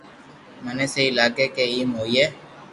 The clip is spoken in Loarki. مني سھي لاگي ڪي ايم ھوئي